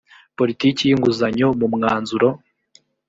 politiki y inguzanyo mu mwanzuro